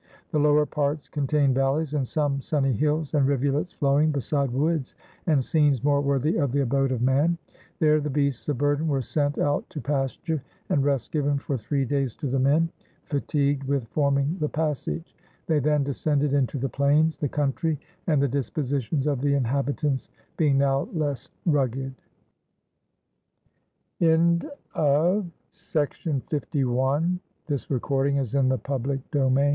The lower parts contain valleys, and some sunny hills, and rivulets flow ing beside woods, and scenes more worthy of the abode of man. There the beasts of burden were sent out to pasture, and rest given for three days to the men, fa tigued with forming the passage; they then descended into the plains, the country and the dispositions of the inhabitants being now less rug